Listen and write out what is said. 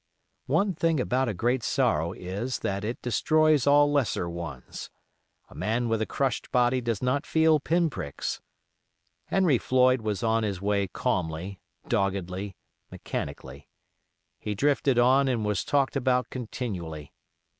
One thing about a great sorrow is that it destroys all lesser ones. A man with a crushed body does not feel pinpricks. Henry Floyd went on his way calmly, doggedly, mechanically. He drifted on and was talked about continually.